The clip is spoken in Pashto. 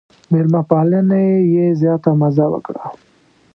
مېلمه پالنې یې زیاته مزه وکړه.